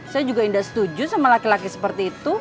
saya juga tidak setuju sama laki laki seperti itu